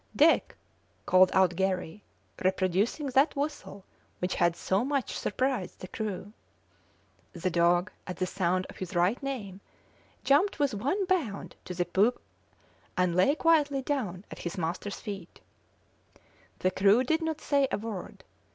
"Dick," called out Garry, reproducing that whistle which had so much surprised the crew. The dog, at the sound of his right name, jumped with one bound on to the poop and lay quietly down at his master's feet. The crew did not say a word.